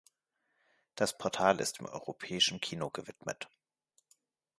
Das Portal ist dem europäischen Kino gewidmet.